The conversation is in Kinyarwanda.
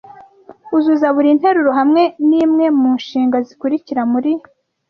Uzuza buri nteruro hamwe nimwe mu nshinga zikurikira muri